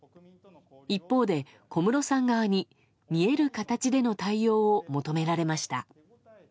一方で、小室さん側に見える形での対応を求められました。